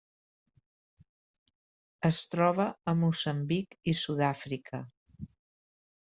Es troba a Moçambic i Sud-àfrica.